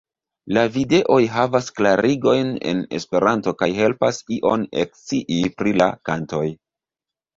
La videoj havas klarigojn en Esperanto kaj helpas ion ekscii pri la kantoj.